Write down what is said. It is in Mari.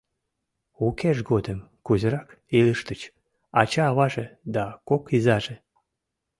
Укеж годым кузерак илыштыч ача-аваже да кок изаже?